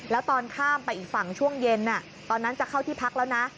แล้วตอนข้ามไปอีกฝั่งช่วงเย็นตอนนั้นจะเข้าที่พักแล้วนะ